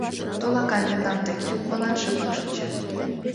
Тол, акай, мемнан деке, молан шыпак шинчет?